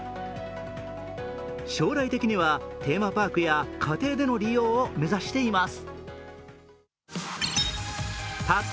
将来的にはテーマパークや家庭での利用を目指しています。